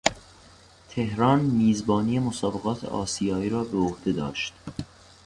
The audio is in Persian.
تهران میزبانی مسابقات آسیایی را به عهده داشت.